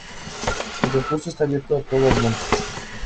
El concurso está abierto a todo el mundo.